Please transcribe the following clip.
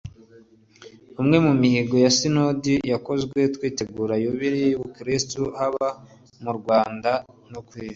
umwe mu mihigo ya sinodi yakozwe twitegura yubile y'ubukristu haba mu rwanda no ku isi